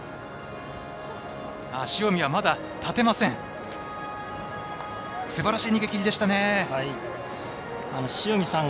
塩見、まだ立てません。